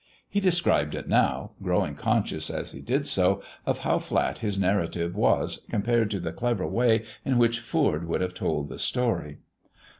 He described it now, growing conscious as he did so of how flat his narrative was compared to the clever way in which Foord would have told the story.